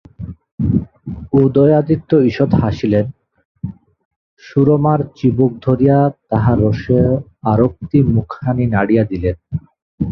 উদয়াদিত্য ঈষৎ হাসিলেন, সুরমার চিবুক ধরিয়া তাহার রোষে আরক্তিম মুখখানি নাড়িয়া দিলেন।